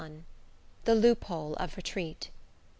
XXI. The Loophole Of Retreat.